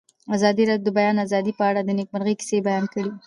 ازادي راډیو د د بیان آزادي په اړه د نېکمرغۍ کیسې بیان کړې.